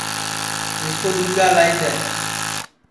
مِسکُو دؔوجا لائی دؔے